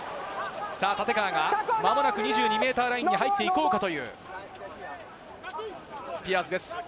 立川が間もなく２２ｍラインに入っていこうかというスピアーズです。